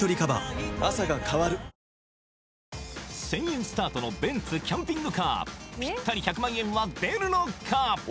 １０００円スタートのベンツキャンピングカーピッタリ１００万円は出るのか？